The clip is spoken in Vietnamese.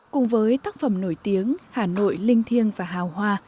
cùng với tác phẩm nổi tiếng hà nội linh thiêng và hào hoa